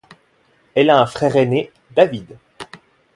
Elle a un frère aîné, David.